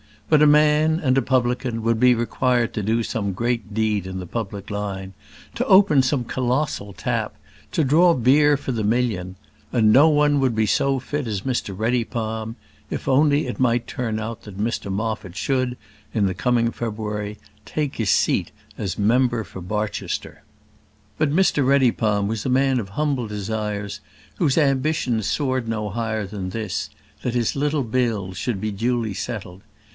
But a man, and a publican, would be required to do some great deed in the public line; to open some colossal tap; to draw beer for the million; and no one would be so fit as Mr Reddypalm if only it might turn out that Mr Moffat should, in the coming February, take his seat as member for Barchester. But Mr Reddypalm was a man of humble desires, whose ambitions soared no higher than this that his little bills should be duly settled.